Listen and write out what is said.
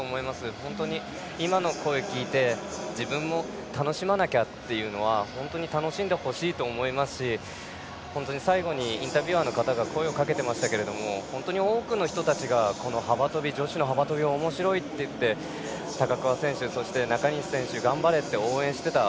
本当に今の声を聞いて自分も楽しまなきゃっていうのは本当楽しんでほしいと思いますし本当に最後にインタビュアーの方が声をかけていましたが本当に多くの人たちが女子の幅跳びをおもしろいっていって高桑選手、中西選手、頑張れって応援していた。